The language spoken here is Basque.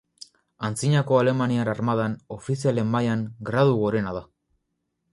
Antzinako alemaniar armadan, ofizialen mailan, gradu gorena da.